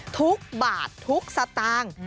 ทุกบาททุกสตางค์